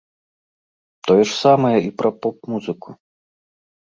Тое ж самае і пра поп-музыку!